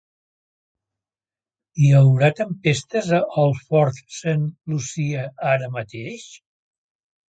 Hi haurà tempestes a Old Fort Saint Lucia ara mateix?